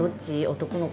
男の子？